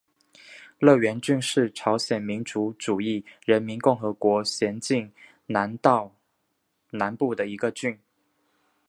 乐园郡是朝鲜民主主义人民共和国咸镜南道南部的一个郡。